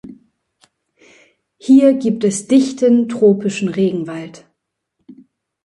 Hier gibt es dichten tropischen Regenwald.